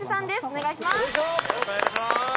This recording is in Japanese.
お願いします